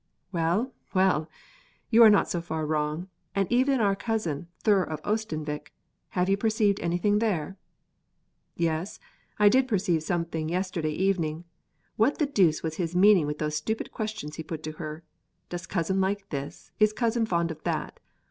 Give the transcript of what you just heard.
"Well, well! you are not so far wrong; and even our cousin Thure of Oestanvik, have you perceived anything there?" "Yes, I did perceive something yesterday evening; what the deuce was his meaning with those stupid questions he put to her? 'Does cousin like this?' or 'Is cousin fond of that?'